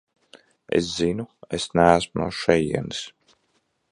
Es zinu, es neesmu no šejienes.